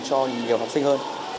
cho nhiều học sinh hơn